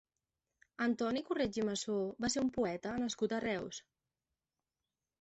Antoni Correig i Massó va ser un poeta nascut a Reus.